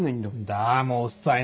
だもううっさいな！